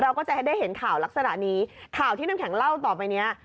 เราก็จะให้ได้เห็นข่าวลักษณะนี้ข่าวที่น้ำแข็งเล่าต่อไปเนี้ย